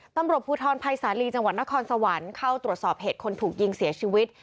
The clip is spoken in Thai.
ตำรวจภูทรภัยสาลีจังหวัดนครสวรรค์เข้าตรวจสอบเหตุคนถูกยิงเสียชีวิต